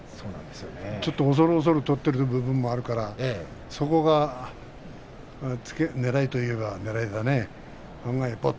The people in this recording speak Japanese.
ちょっと恐る恐る取っている部分もあるからそこが、ねらいといえばねらいだね。